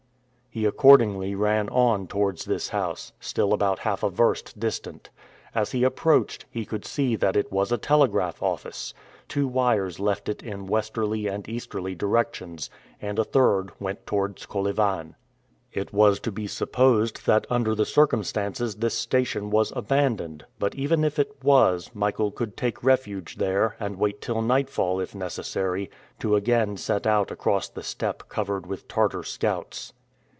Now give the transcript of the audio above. He accordingly ran on towards this house, still about half a verst distant. As he approached, he could see that it was a telegraph office. Two wires left it in westerly and easterly directions, and a third went towards Kolyvan. It was to be supposed that under the circumstances this station was abandoned; but even if it was, Michael could take refuge there, and wait till nightfall, if necessary, to again set out across the steppe covered with Tartar scouts.